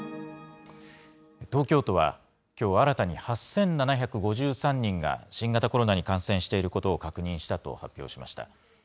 東京都はきょう新たに８７５３人が、新型コロナに感染していることを確認したと発表しました。